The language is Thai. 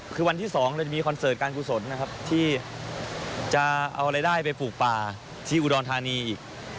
คือวันที่๒เราจะมีคอนเสิร์ตการกุศลนะครับที่จะเอารายได้ไปปลูกป่าที่อุดรธานีอีก